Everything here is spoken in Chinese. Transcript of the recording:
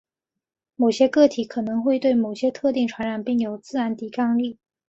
某些个体可能会对某种特定传染病有自然抵抗力。